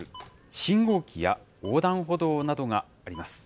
信号機や横断歩道などがあります。